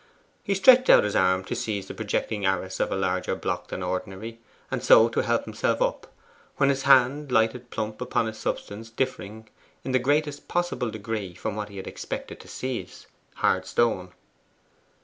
He stretched out his arm to seize the projecting arris of a larger block than ordinary, and so help himself up, when his hand lighted plump upon a substance differing in the greatest possible degree from what he had expected to seize hard stone.